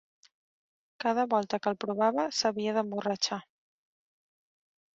Cada volta que el provava s’havia d’emborratxar;